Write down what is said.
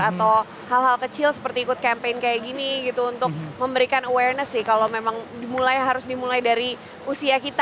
atau hal hal kecil seperti ikut campaign kayak gini gitu untuk memberikan awareness sih kalau memang dimulai harus dimulai dari usia kita